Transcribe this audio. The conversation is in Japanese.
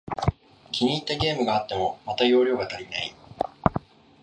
気に入ったゲームがあっても、また容量が足りない